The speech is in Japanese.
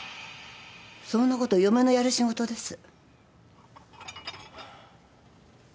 そんなこと嫁のやる仕事です。